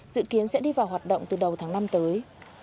dự kiến sẽ đi vào hoạt động từ đầu tháng năm tới